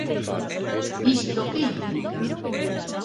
Isto ¿que implica?